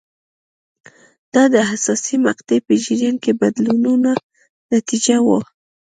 دا د حساسې مقطعې په جریان کې بدلونونو نتیجه وه.